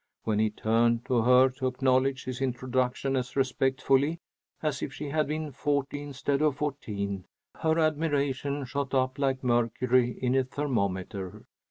When he turned to her to acknowledge his introduction as respectfully as if she had been forty instead of fourteen, her admiration shot up like mercury in a thermometer.